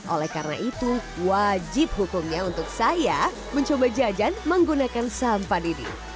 oleh karena itu wajib hukumnya untuk saya mencoba jajan menggunakan sampan ini